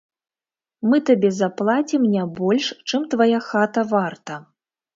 Мы табе заплацім не больш, чым твая хата варта.